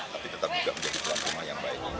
tapi tetap juga menjadi pelaku maya